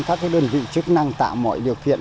các đơn vị chức năng tạo mọi điều kiện